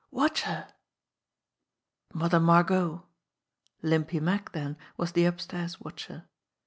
Watch her." Mother Margot! Limpy Mack, then, was the upstairs watcher.